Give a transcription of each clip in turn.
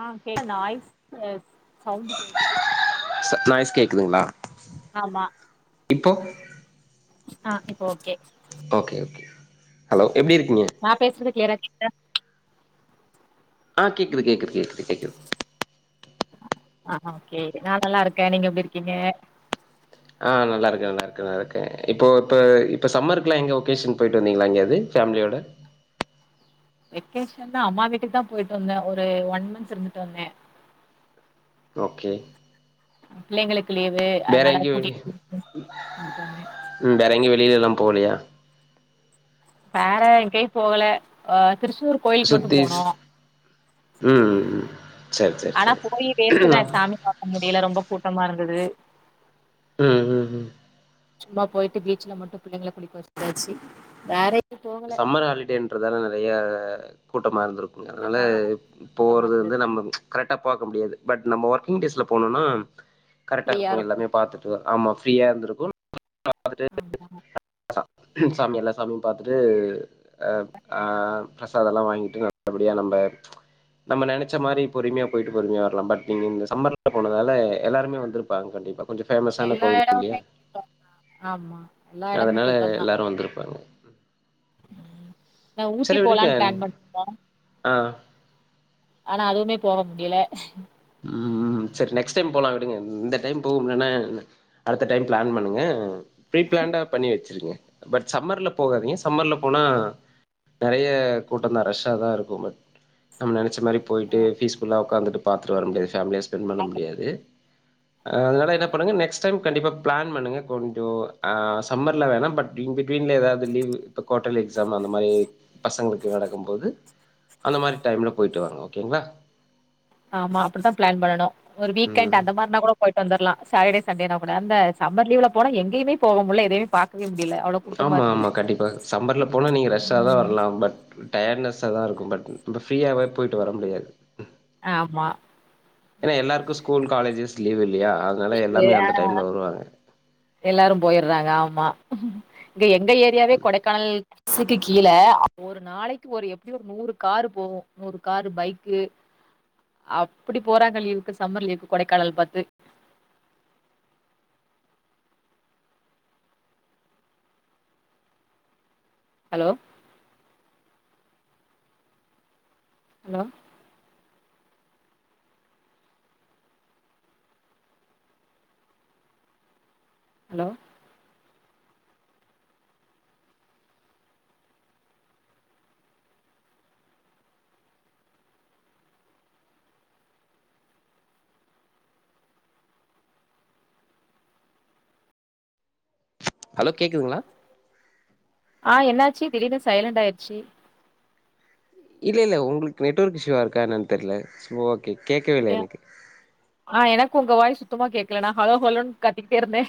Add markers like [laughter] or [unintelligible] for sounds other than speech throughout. ஆ கே noise sound கேக்குது ஸ் கேக்குதுங்களா ஆமா இப்போ ஆ இப்போ ஓகே ஓகே ஓகே ஹலோ எப்டி இருக்கீங்க நா பேசுறது க்ளியர க் எங்க ஆ கேக்குது கேக்குது கேக்குது கேக்குது ஆ ஓகே நா நல்லா இருக்கே நீங்க எப்டி இருக்கீங்க ஆ நல்லாருக்கே நல்லாருக்கே நல்லாருக்கே இப்போ இப்ப இப்ப சம்மருக்லா எங்க ஒகேஷன் போயிட்டு வந்தீங்ளா எங்யாது ஃபேமிலியோட வெக்கேஷன்னா அம்மா வீட்டுக்கு தா போயிட்டு வந்தே ஒரு ஒன் மன்த் இருந்துட்டு வந்தே ஓகே‌ பிள்ளைங்களுக் வேற எங்யு வெளியு இருந்துட்டு வந்தே ம் வேற எங்யு வெளிலல்லா போலயா வேற எங்கயு போகல ஆ திருச்செந்தூர் கோயிலுக்கு மட்டு சுத்தி போனோ ஸ்- ம் ம் ம். சரி சரி ஆனா சரி போயு வேஸ்டுதா ம் சாமி பாக்க முடியில ரொம்ப கூட்டமா இரு ந்தது ம் ம் ம் சும்மா போயிட்டு பீச்ல மட்டு பிள்ளைங்கள குளிக்க வச்சாச்சி வேற எ சம்மர் ஹாலிடேன்றதால நெறய கூட்டமா இருந்துரு க்கு அதனால ஆனா கூட்டமா போறது வந்து இருந்தது நம்ம கரெட்டா பாக்க முடியாது பட் நம்ம ஒர்க் கிங்டேஸ்ல போனொனா கரெட்டா இருக்கு எல்லாமே பாத்துட்டு வர ஆமா ஃப்ரீயா இருந்துருக்கு ஆமா ம் சாமி எல்லா சாமியு பாத் துட்டு அ ஆ பிரசாதல்லா வாங்கிட்டு நல்லபடியா நம்ப நம்ம நெனச்ச மாரி பொறுமையா போயிட்டு பொறுமையா வர்லா பட் நீங்க இந்த சம்மர்ல போனதால எல்லாருமே வந்துருப்பாங்க கண்டிப்பா கொஞ்ச ஃபேமஸான எல்லா கோவில் இல்லியா எடமுமே கூட்டோ ஆமா எல்லா எடமு அதனால கூட்டந்தா எல்லாரு வந்துருப்பாங்க ம் நா ஊட்டி சரி விடுங்க போலான் பிளான் பண்ணிருந்தோ ஆ ஆனா அதுவுமே போக முடியில ம் ம் செரி நெக்ஸ்ட் டைம் போலா விடுங்க இந்த டைம் போக முல்லனா என்ன அடுத்த டைம் பிளான் பண்ணுங்க ப்ரீ பிளான்டா பண்ணி வச்சிருங்க பட் சம்மர்ல போகாதிங்க சம்மர்ல போனா நெறய கூட்டந்தா ரஷ்ஷா தா இருக்கு பட் நம்ம நென ச்ச மாரி போய்ட்டு பீஸ்ஃபுல்லா உக்காந்துட்டு பா த்துட்டு வர முடியாது ஃபேம்லியா ஸ்பென் பண்ண முடியாது ஆ அதுனால என்ன பண்ணுங்க நெக்ஸ்ட் டைம் கண்டிப்பா பிளான் பண்ணுங்க கொஞ்சொ ஆ சம்மர்ல வேணா பட் இன் பிட்வீன்ல எதாவுது லீவு இப்ப குவாடலி எக்ஸாம் அந்த மாரி பசங்களுக்கு நடக்கும் போது அந்த மாரி டைம்ல போயிட்டு வாங்க ஓகேங்ளா ஆமா அப்புடிதா பிளான் பண்ணனு ஒரு வீக்கென்ட் ம் அந்த மாரினா கூட போயி வந்தர்லா சாட்டடேசண்டேனா கூட அந்த சமர் லீவுல போன எங்கயுமே போக முடில எதயுமே பாக்க ஆம்மா ஆம்மா கண்டிப்பா சம்மர்ல போனா நீங்க ரஷ்ஷாதா ம் வரலா பட் டயட்னஸ்ஸா தா இருக்கு பட் நம்ம ஃப்ரீயாவே போயிட்டு வர முடியாது ஆம்மா ஏனா எல்லாருக்கு ஸ்கூல் காலேஜஸ் லீவ் யில்லையா ஹே ஆ எல்லாரு போயிர்றாங்க ஆம்மா ங்க எங்க ஏரியாவே கொடைகானல் ஸ்க்கு கீல ஒரு நாளைக்கு ஒரு எப்டியு ஒரு நூறு காரு போகு நூறு காரு பைக்கு அப்படி போறாங்க லீவுக்கு சம்மர் லீவுக்கு கொடைகானல் பாத்து ஹலோ ஹலோ ஹலோ ஹலோ கேக்குதுங்களா ஆ என்னாச்சி திடினு சைலண்ட் ஆயிருச்சி இல்லல்ல உங்ளுக்கு நெட்ஒர்க் இஷ்யூவாருக்கா என்னனு தெரில செரி ஓக் கியா ஆ எனக்கு உங்க வாய்ஸ் சுத்தமா கேக்கலனா ஹலோ ஹலோனு கத்திகிட்டே இருந்தே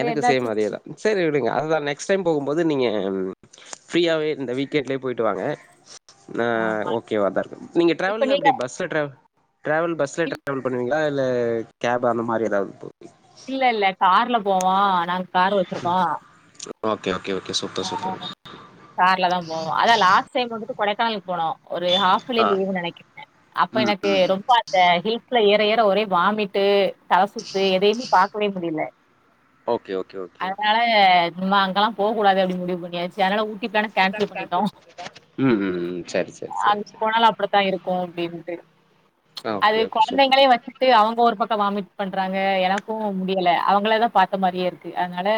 எனக்கு சேம் அதே தா செரி விடுங்க அதுதா நெக்ஸ்ட் டைம் போகும்போ போது நீங்க ஆ ஃப்ரீயாவே இந்த வீக்எண்ட்லயே போயிட்டு வாங்க ஆ ஆமா. ஓகே வா தாட்ருக் நீங்க இப்ப டிராவல்லானா நீங்க எப்டி பஸ்ல டிராவல் பஸ்ல இல் டிராவல் பண்ணுவீங்களா இல்ல கேப் அந்த மாரி ஏதாவது இல்லல்ல கார்ல போவோ நாங்க காரு வச்சிருக்கோ okay oh okay okay super super கார்ல தா போவோ அதா லாஸ்ட் டைம் வந்துட்டு கொடைக்கானலுக் போனோ ஒரு ஆ ஹாஃபலிலீவ்னு நெனைக்கிறே அப்ப ம் எனக்கு ரொம்ப அந்த ஹில்ஸ்ல ஏற ஏற [unintelligible] ஒரே வாமிட்டு தலசுத்து எதயுமே பாக்கவே முடில ஓகே ஓகே ஓகே நா அங்கெல்லா போ போவாத அப்டின்னு முடிவு பண்ணியாச்சு அதனால டிக்கெட் தான கேன்சல் பண்ணிட்டோ ம் ம் ம் சரி சரி சரி அதுக்கு சரி போனால அப்டித்தா இருக்கு அப்டின்ட்டு ஆ அது ஓகே ஓகே சூப்பர் கொழந்தைங்கள வச்சுட்டு அவுங்க ஒரு பக்கம் வாமிட் பண்றாங்க எனக்கு முடியல அவுங்களா தா பாத்த மாரியே இருக்கு அதனால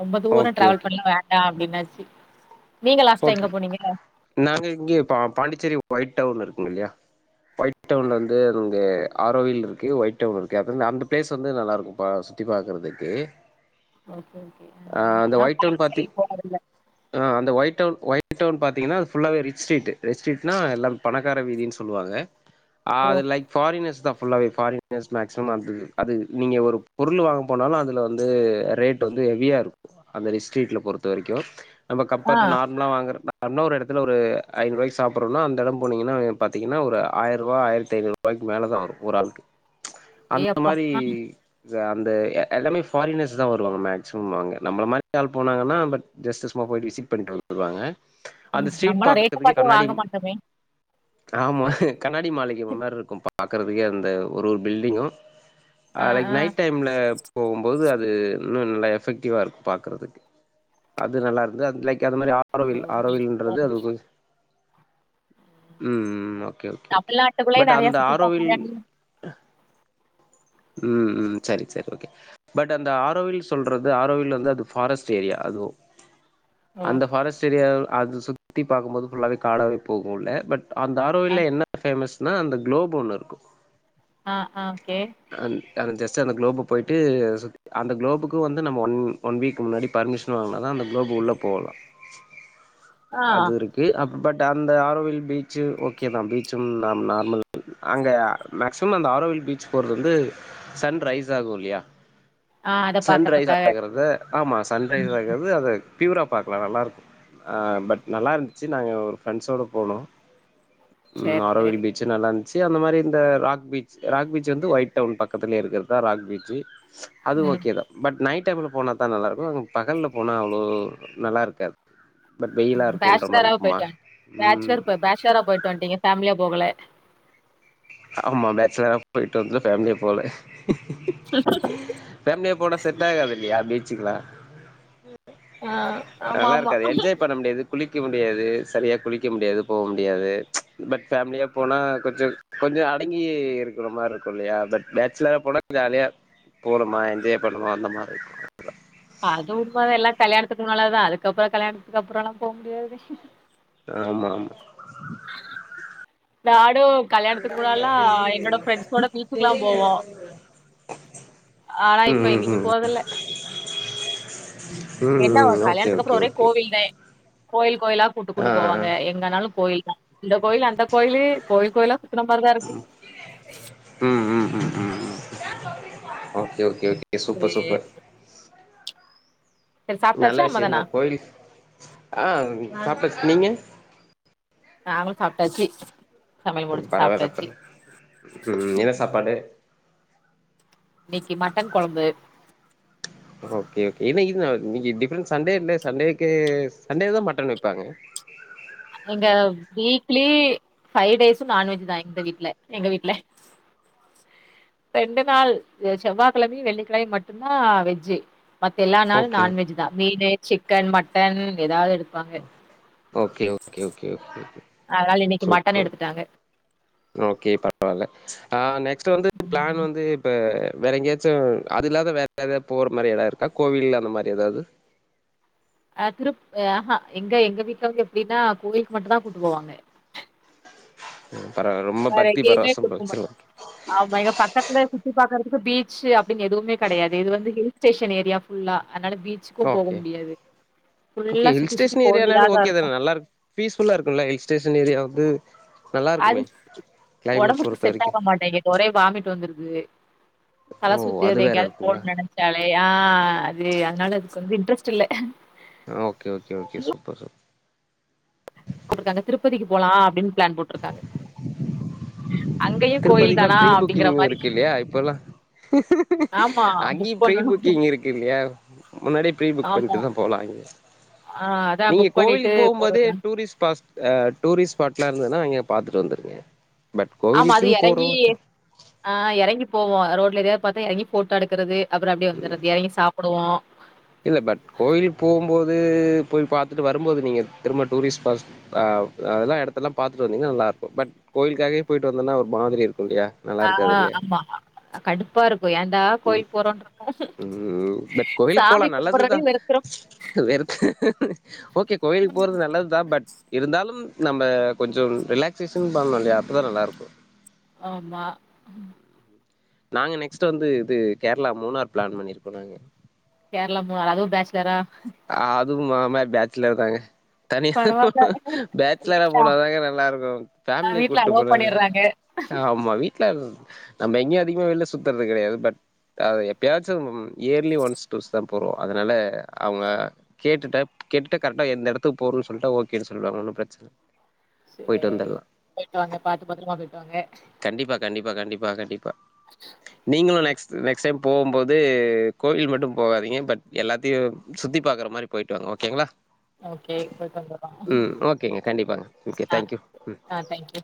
ரொம்ப தூரோ ஓகே டிராவல் ஓகே பண்ணு வேண்டா என்னாச்சி ஓகே நாங்க இங்க பா பாண்டிச்சேரி ஒய் ஒய்டவர் இருக்கு இல்லியா ஒய்டவுர்ல வந்து ஆரோயில் இருக்கு ஒயிட்டவர் இருக்கு அந்த பிளேஸ் வந்து நல்லா இருக்கு பா சுத்தி பாக்குறதுக்கு ஓகே ஓகே ஆ அந்த நா ஒயிட் டவுன் பாண்டிச்சேரி போனதில்ல ஒய்டவுன் பாத்தீங்கனா அது ஃபுல்லாவே ரிச் ஸ்ட்ரிட் ரிச் ஸ்ட்ரிட்னா எல்லாம் பணக்கார வீதின்னு சொல்லுவாங்க ஆ ஓ! அது லைக் ஃபாரினர்ஸ் தா ஃபுல்லாகவே ஃபாரினர்ஸ் மேக்ஸிமம் அது அது நீங்க ஒரு பொருள் வாங்க போனாலு அதில வந்து ரேட் வந்து ஹெவியாக இருக்கு அந்த ரிஸ்ட்ரீட்டில் பொறுத்த வரைக்கு நமக்கு ஆ நார்மலா வாங்கறப்ப அன்னோ ஒரு எடத்துல ஒரு ஐநூருவாய்க்கு சாப்றோனா அந்த இடம் போனீங்கன்னா பாத்தீங்கன்னா ஒரு ஆயிர ரூவா ஆயிரத்திஐநூர்பாய்க்கு மேல தா வரு ஒரு ஆளுக்கு ஏ அந்த அப்பா! மாரி ஆ அந்த எல்லாமே ஃபாரினர்ஸ் தா வருவாங்க மேக்சிமம் அங்க நம்மள மாரி ஆள் போனாங்கன்னா பட் ஜஸ்ட் சும்மா விசிட் பண்ணிட்டு வந்துருவாங்க அந்த ம் ஸ்ட்ரீட் நம்மலாம் ரேட்ட பாக்கறதுக்கே பாத்தே கண்ணாடி வாங்க மாட்டோமே! ஆமா கண்ணாடி மாளிகை மாரி இருக்கு பாக்கறதுக்கே அந்த ஒரு ஒரு பில்டிங்கு அ ஆ, லைக் ஆ. நைட் டைம்ல போகுபோது அது இன்னு நல்லா எஃபெக்டிவா இருக்கு பாக்குறதுக்கு அது நல்லா இருந்து அது லைக் அது மாரி ஓ! ஆரோவில் ஆரோவில்ன்றது அது உம் ஓகே-ஓகே-ஓகே தமிழ்நாட்டுக்குள்ளயே பட் நெறைய அந்த சுத்தி ஆரோவில் பாக்க உம்-உம் செரி-செரி ஓகே பட் அந்த ஆரோவில் சொல்றது ஆரோவில் வந்து அது ஃபாரஸ்ட் ஏரியா அதுவு ஓ! அந்த ஃபாரஸ்ட் ஏரியாவ அத சுத்தி பாக்கும்போது ஃபுல்லவே காடவே போகும்ல பட் அந்த ஆ, அரோவில்ல என்ன பேமஸ் நா அந்த குளோப் ஒன்னு இருக்கு ஆ-ஆ ஓகே அந்த ஜஸ்ட் அந்த குளோ போயிடு அந்த குளோபுக்கு வந்து நம்ம ஒன் வீக்கு முன்னாடி பர்மிஷன் வாங்கின தா அந்த குளோப் உள்ள போலா ஆ, அது இருக்கு அ பட் அந்த ஆரோவில் பீச்சு ஓகே தா பீச்சும் நார்மல் அங்க மேக்சிமம் அந்த ஆரோவில் பீச் போறது வந்து சன் ரைஸ் ஆகுல்லியா ஆ அத சன் ரைஸ் பாக்கறதுக்காக. ஆகுறத ஆமா சன்ரைஸ் ஆகுறது அது ப்யூரா பாக்கலா நல்லாருக்கு ஆ பட் நல்லா இருந்துச்சு நாங்க ஒரு ஃப்ரெண்ஸோட போனோ உ சரி, சரி. ஆரோவில் பீச் நல்லா இரு ச்சு அந்த மாரி இந்த ராக் பீச் ராக் பீச் வந்து ஒயிட் டவுன் பக்கத்துலயே இருக்கிறதா ராக் பீச்சு அது ம். ஓகே தா பட் நைட் டேம் போனா தா நல்லாருக்கு ஆனா பகல்ல போனா அவ்ளோ நல்லாருக்காது உ பேச்சுலரா போய்டுவன் ம் பேட்சுலர் போய பேச்சலரா போயிட்டு வண் டீங்க ஃபேமிலியா போகல ஆமா பேச்சலரா போயிடு வந்து ஃபேமிலியா போல ஃபேமிலியா போனா செட் ஆகாது யா பீச்சுக்கலா ஆ ஆ ஆமா நல்லா ஆமா இருக்காது என்ஜாய் பண்ண முடியாது குளிக்க முடியாது சரியா குளிக்க முடியாது போக முடியாது பட் ஃபேமிலியா போனா கொஞ்ச கொஞ்ச அடங்கி இருக்கிற மாரி இருக்கு இல்லயா பட் பேச்சலரா போனா ஜாலியா போணமா என்ஜாய் பண்னமா வந்தம்மா அந்த மாரி இருக்கு அது உண்மதா எல்லா கல்யாணதுக்கு முன்னால தா அதுக்கப்புறோ கல்யாணதுக்கு அப்றோ எல்லா போக முடியாதுடே ஆமா ஆமா டாட் ஏ கல்யாணதுக்கு முன்னாடிலா என்னோட ஃபிரண்ஸ் கூட பீச்சுக்கலா போவோ ஆனா ம் இப்ப ம் எங்கயுமே ம் போதில்ல ம் என்னவ ம் ஓகே கல்யாணதுக்கு அப்றோ ஓகே ஒரே ஓகே கோயில்தே கோயில் கோயிலா கூட்டு ஆ கூட்டு ஆ போவாங்க எங்கனாலு கோயில் தா இந்த கோயிலு அந்த கோயிலு கோயில் கோயிலா சுத்துன மாரிதா இருக்கு உ உ உ உ உ உஓகே ஓகே கே ஓகே சூப்பர் சேரி சூப்பர் சேரி நல்ல சாப்ட்டாச்சா விஷயந்தா அம்மதானா கோயில் ஆ சாப்டாச்சு நீங்க நாங்களு சாப்ட்டாச்சு சமையல் முடிச்சு பரவா சாப்ட்டாச்சு சாப்டேங்க உ என்ன சாப்பாடு இன்னைக்கு மட்டன் கொழம்பு ஓகே கே இன்னிக்கு என்ன நாள் இன்னக்கி சண்டே இல்ல சண்டேக்கு சண்டே தா மட்டன் வைப்பாங்க எங்க வீக்லி ஃபைவ் டேஸு நான்வெஜ் தா இந்த வீட்டு்ல எங்க வீட்டு்ல ரெண்டு நாள் செவ்வாய்கிழமயு வெள்ளிக்கிழமயு மட்டு்ந்தா வெஜ்ஜு மத்த எல்லா நாளு ஓகே நான்வெஜ் தா மீனு சிக்கன் மட்டன் ஏதாவது எடு okay okay okay okay அதனால இன்னைக்கு மட்டன் சூப்பர் எடுத்துட்டாங்க ஓகே பரவாயல ஆ நெக்ஸ் இது வந்து பிளான் வந்து இப்ப வேற எங்கேயாச்சு அதுலாத வேற ஏதாவது போற மாதிரி எதாவது இருக்கா கோவில்ல அந்த மாதிரி எதாவது அ திருப் ஆஹா எங்க எங்க வீட்டு வந்து எப்டின்னா கோயிலுக்கு மட்டுந்தா கூட்டு போவாங்க உஹம் வேறங்கயுமே கூட்டுப்போக் ஆமா இங்க பக்கத்துலர்ந்து சுத்தி பாக்குறதுக்கு பீச் அப்டின்னு எதுமே கெடையாது இது வந்து ஹில் ஸ்டேஷன் ஏரியா ஃபுல்லா அதனால பீச்சுக்கு போக ஓகே முடியாது ஓகே ஃபுல்லா ஹில் சுத்தி சுத்தி ஸ்டேஷன் ஏரியானாலே கோயிலாதா ஓகே இருக்கு தானா நல்லா பீஸ்ப்ஃபுல்லா இருக்குல்ல ஹில் ஸ்டேஷன் ஏரியாக்கு அது ஒடம்புக்கு பொறுத்த செட் வரைக்கும் ஆக மாட்டேங்குது ஒரே வாமிட் வந்துருது தல ஓ அது சுத்திது வேற எங்கேயாவது போன் இருக்குங்களா நினைச்சாலே யா அது அதனால அதுக்கு வந்து இன்ட்ரெஸ்ட் இல்ல okay okay okay super super போட்டிருக்காங்க திருப்பதிக்கு போலா அப்டின்னு பிளான் போட்டிருக்காங்க திருப்பதிக்குலா ப்ரீ புக்கிங்கு மாரி இருக்கில்லையா இப்பல்லா ஆமா அங்கேயு புக் ப்ரீ பண்ணனு புக்கிங் இருக்கு இல்லையா முன்னாடியே ப்ரி புக் ஆமா பண்ணிட்டு தா போலா அங்க ஆ அதா நீ புக் பண்ணிட்டு கோவிலுக்கு போகும்போதே போறதுதா டூரிஸ் பாஸ் ஆ டூரிஸ்ஸ்பாட் லா இருந்துதுனா அங்கயே பாத்துட்டு வந்துருங்க பட் ஆமா அது கோவிலுக்குன்னு எறங்கி போறோம் ஆ எறங்கி போவோ ரோட்ல ஏதயாது பாத்தா எறங்கி ஃபோட்டோ எடுக்கிறது அப்புற அப்டியே வந்துற்ரது எறங்கி சாப் ப்புடுவோ இல்ல பட் கோயில் போகும் போது போய் பாத்துட்டு வரும்போது நீங்க திரும்ப டூரிஸ்ட் பாஸ் அ அ அதெல்லா எடத்தல்லா பாத்துட்டு வந்தீங்க நல்லா இருக்கு பட் கோயிலுக்காகயே போயிட்டு வந்தோன்னா ஒரு மாதிரி இருக்கு ஆமா அம்மாமா அ கடுப்பா இருக் இப்ப ஏண்டா கோயில்க் போறோன்ட்ருக்கு ம் பட் கோயிலுக்கு போலா சாமி நல்லதுதா கும்புட்றதே வெறுத்துறு வெறுத்து ஓகே கோயிலுபோறது நல்லதுதா பட் இருந்தாலு நம்ம கொஞ்சோ ரிலாக்சேஷன் பண்ணுல்லையா அப்பதா நல்லா இருக்கு ஆமா நாங்க நெக்ஸ்டு வந்து இது கேரளா மூணார் பிளான் பண்ணிருக்கோம் நாங்க கேரளா மூணார் அதுவும் பேச்சுலரா அ ம் ஆமா பேச்சுலர் தாங்க தனியாக பரவால்ல பேச்சுலரா வீட்ல போனாதாங்க நல்லா இருக்கு ஃபேமிலி வீட்ல கூப்ட்டு அலோ போனாங்க பண்ணிட்றாங்க ஆமா வீட்டு நம்ம எங்கேயு அதிகமா வெளில சுத்துறது கெடையாது பட் அத எப்பயாச்சும் இயர்லி ஒன்ஸ் டூ ஸ் தா போறோம் அதனால அவுங்க கேட்டுட்ட கேட்டுட்ட கரெக்டா எந்த இடத்துக்கு போறும்ன்னு சொல்லிட்டா ஓகேன்னு சொல்லுவாங்க ஒன்னும் பிரச்சனை சரி போய்ட்டு வாங்க பாத்து பத்தரமா போய்ட்டு வாங்க பகடி நீங்களு நெக்ஸ்ட் நெக்ஸ்ட் டைம் போகும்போது கோயில் மட்டு போகாதீங்க பட் எல்லாத்தையு சுத்தி பாக்ற மாரி போயிட்டுவாங்க ஓகோங்ளா ஓகே போய்ட்டு வந்துருவோம் ஓகேங்க கண்டிப்பாங்க ஓகே ஆ தேங்க்யூ ம் ஆ தேங்க்யூ